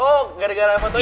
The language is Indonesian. oh gara gara foto ini